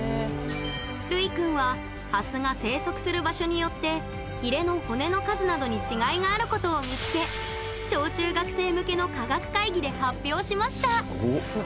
るいくんはハスが生息する場所によってひれの骨の数などに違いがあることを見つけ小中学生向けの科学会議で発表しました。